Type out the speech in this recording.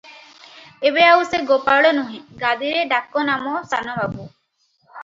ଏବେ ଆଉ ସେ ଗୋପାଳ ନୁହେଁ, ଗାଦିରେ ଡାକନାମ ସାନ ବାବୁ ।